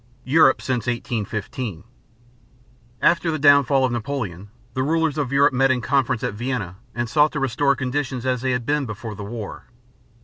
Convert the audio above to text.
EUROPE SINCE 1815. After the downfall of Napoleon the rulers of Europe met in conference at Vienna and sought to restore conditions as they had been before the war.